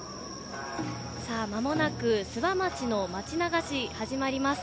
まもなく諏訪町の町流し始まります。